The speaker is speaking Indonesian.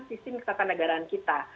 visi ketatanegaraan kita